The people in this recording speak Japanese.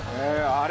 あれ。